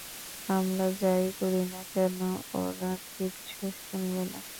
আমরা যা-ই করি না কেন, ওরা কিচ্ছু শুনবে না!